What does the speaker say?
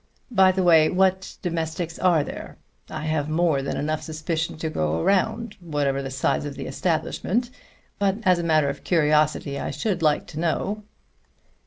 By the way, what domestics are there? I have more than enough suspicion to go round, whatever the size of the establishment; but as a matter of curiosity I should like to know."